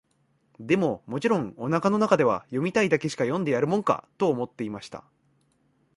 でも、もちろん、お腹の中では、読みたいだけしか読んでやるもんか、と思っていました。